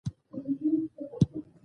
او فکر یې را بدل کړ